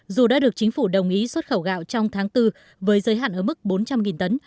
dù đã được chính phủ đồng ý xuất khẩu gạo trong tháng bốn với giới hạn ở mức bốn trăm linh tấn